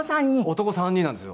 男３人なんですよ。